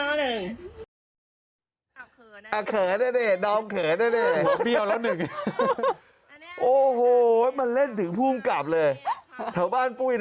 โอ้โหมันเล่นถึงภูมิกรรมเลย